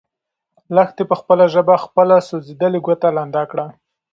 لښتې په خپله ژبه خپله سوځېدلې ګوته لنده کړه.